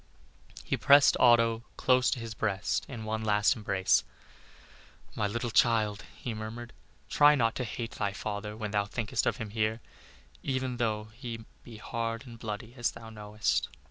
He pressed Otto close to his breast in one last embrace. "My little child," he murmured, "try not to hate thy father when thou thinkest of him hereafter, even though he be hard and bloody as thou knowest."